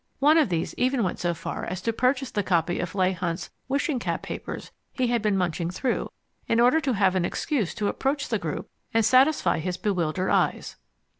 One of these even went so far as to purchase the copy of Leigh Hunt's Wishing Cap Papers he had been munching through, in order to have an excuse to approach the group and satisfy his bewildered eyes.